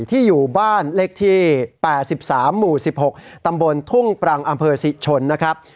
ที่อยู่บ้านเลขที่๘๓หมู่๑๖ตำบลทุ่งปรังอำเภอศรีชนนะครับ